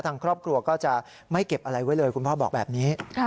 ทางครอบครัวก็จะไม่เก็บอะไรไว้เลยคุณพ่อบอกแบบนี้